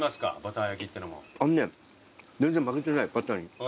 あのね全然負けてないバターに。